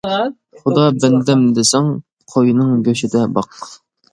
خۇدا بەندەم دېسەڭ، قوينىڭ گۆشىدە باق.